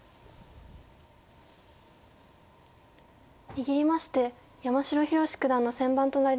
握りまして山城宏九段の先番となりました。